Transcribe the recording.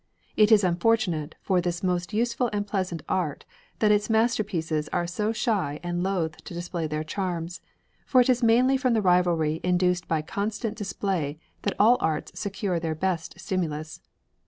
It is unfortunate for this most useful and pleasant art that its masterpieces are so shy and loath to display their charms, for it is mainly from the rivalry induced by constant display that all arts secure their best stimulus.